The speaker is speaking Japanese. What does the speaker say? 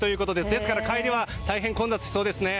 ですから帰りは大変混雑しそうですね。